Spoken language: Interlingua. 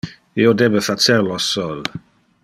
Io debe facer lo sol.